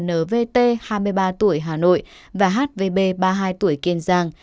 nvt hai mươi ba tuổi hà nội và hvb ba mươi hai tuổi kiên giang